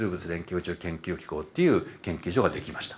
宇宙研究機構っていう研究所ができました。